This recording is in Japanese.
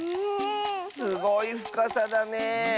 すごいふかさだね。